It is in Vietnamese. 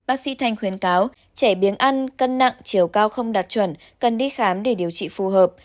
bác sĩ thanh khuyến cáo trẻ biến ăn cân nặng chiều cao không đạt chuẩn cần đi khám để điều trị phù hợp